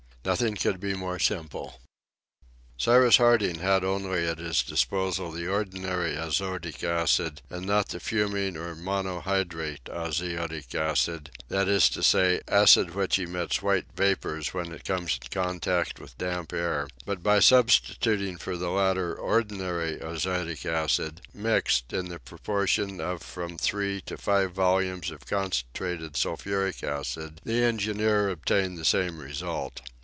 Nothing could be more simple. Cyrus Harding had only at his disposal the ordinary azotic acid and not the fuming or monohydrate azotic acid, that is to say, acid which emits white vapors when it comes in contact with damp air; but by substituting for the latter ordinary azotic acid, mixed, in the proportion of from three to five volumes of concentrated sulphuric acid, the engineer obtained the same result.